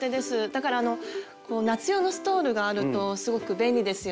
だから夏用のストールがあるとすごく便利ですよね。